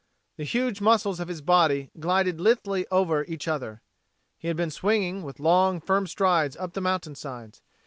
The huge muscles of his body glided lithely over each other. He had been swinging with long, firm strides up the mountainsides.